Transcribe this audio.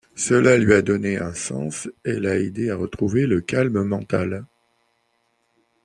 Cela lui a donné un sens et l'a aidée à retrouver le calme mental.